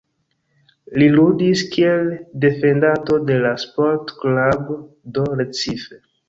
Li ludis kiel defendanto en la Sport Club do Recife.